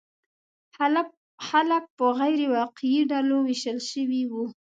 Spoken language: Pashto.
خلک په غیر واقعي ډلو ویشل شوي وو.